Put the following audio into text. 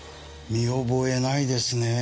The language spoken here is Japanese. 見覚えないですねぇ。